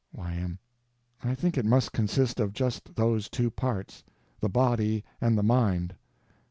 Y.M. I think it must consist of just those two parts—the body and the mind.